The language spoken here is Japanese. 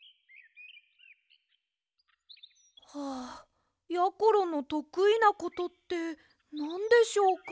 はあやころのとくいなことってなんでしょうか？